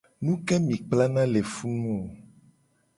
Nu ke ye mi kplana le funu o?